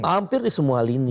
hampir di semua lini